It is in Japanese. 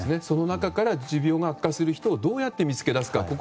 その中から持病が悪化する人をどう見つけるか。